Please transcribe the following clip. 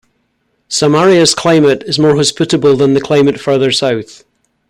Samaria's climate is more hospitable than the climate further south.